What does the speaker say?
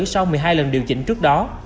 sau một mươi hai lần điều chỉnh trước đó